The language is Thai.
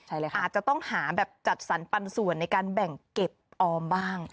อาจจะต้องหาแบบจัดสรรปันส่วนในการแบ่งเก็บออมบ้าง